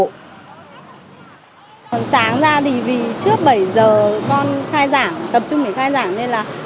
còn sáng ra thì vì trước bảy giờ con khai giảng tập trung để khai giảng nên là